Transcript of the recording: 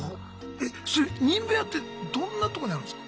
えそれニンベン屋ってどんなとこにあるんすか？